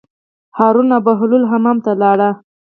هارون او بهلول حمام ته لاړل.